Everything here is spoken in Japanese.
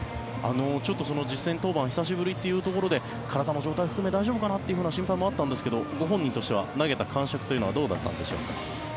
ちょっと実戦登板久しぶりというところで体の状態を含め大丈夫かなという心配もあったんですがご本人としては投げた感触としてはどうだったんでしょうか。